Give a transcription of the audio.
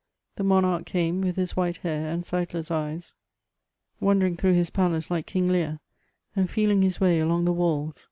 The monarch came, with his white hair and sightless eyes, wandering through his palace like King Lear, and feeling his way along the walls.